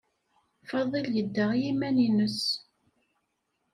Fadil yedda i yiman-nnes.